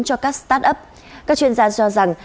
cho các start up các chuyên gia cho rằng